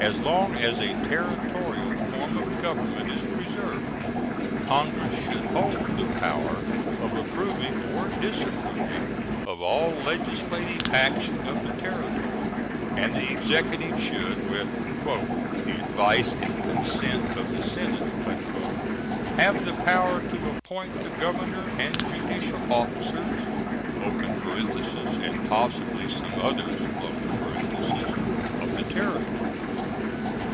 As long as a Territorial form of government is preserved, Congress should hold the power of approving or disapproving of all legislative action of the Territory, and the Executive should, with "the advice and consent of the Senate," have the power to appoint the governor and judicial officers (and possibly some others) of the Territory.